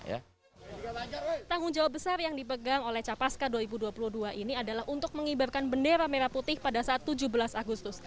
tanggung jawab besar yang dipegang oleh capaska dua ribu dua puluh dua ini adalah untuk mengibarkan bendera merah putih pada saat tujuh belas agustus